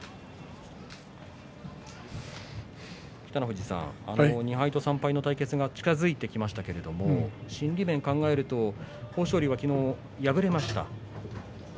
北の富士さん２敗と３敗の対決が近づいてきましたけれども心理面を考えると、豊昇龍は昨日、敗れました。